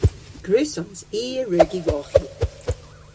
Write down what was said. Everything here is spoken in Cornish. Gwrussons. I a wrug y wolghi.